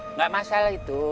nggak masalah itu